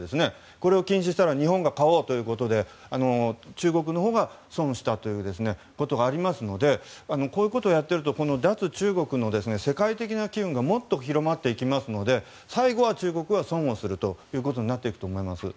これを禁止したら日本が買おうということで中国のほうが損をしたということがありますのでこういうことをやっていると脱中国の世界的な気運がもっと広まっていきますので最後は中国が損をするということになると思います。